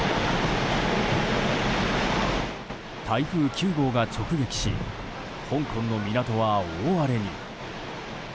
台風９号が直撃し香港の港は大荒れに。